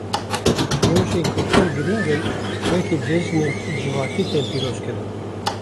Rojên ku pir girîng in, weke cejinên civakî tên pîrozkirin.